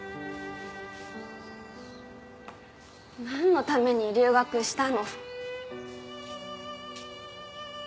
なんのために留学したの？